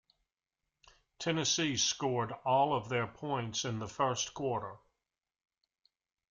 Tennessee scored all of their points in the first quarter.